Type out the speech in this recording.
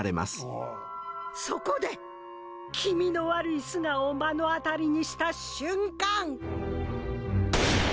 「そこで気味の悪い素顔を目の当たりにした瞬間」